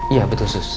iya betul sus